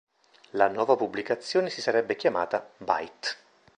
La nuova pubblicazione si sarebbe chiamata "Byte".